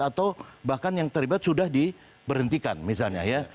atau bahkan yang terlibat sudah diberhentikan misalnya ya